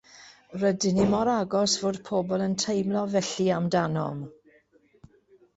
Rydyn ni mor agos fod pobl yn teimlo felly amdanom.